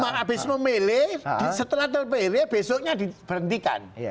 maka habis memilih setelah terpilih besoknya diberhentikan